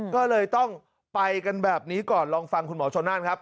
ก็เลยต้องไปกันแบบนี้ก่อนลองฟังคุณหมอชนนั่นครับ